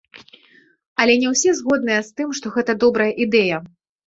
Але не ўсе згодныя з тым, што гэта добрая ідэя.